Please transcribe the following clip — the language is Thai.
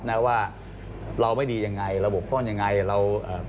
แน่ว่าเราไม่ดียังไงเราบกพรอย่างไร